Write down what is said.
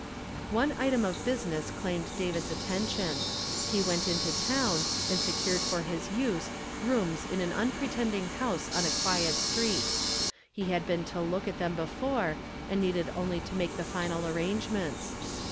One Item of business claimed David's attention. He went into town, and secured for his use rooms m an unpretending house on a quiet street. He had been to look at them before, and needed only to make the final arrangements.